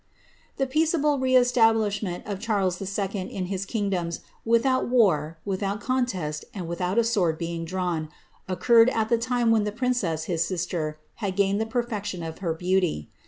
The peaceable re establishment of king Charles IL in his kingdoms, rithout war, without contest, and without a sword being drawn, occur ed at the time when the princess, his sister, had gained the perfection if her beauty.